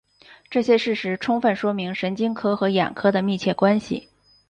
这些事实充分说明神经科和眼科的密切关系。